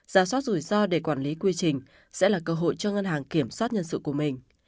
giả soát rủi ro để quản lý quy trình sẽ là cơ hội cho ngân hàng kiểm soát nhân sự của mình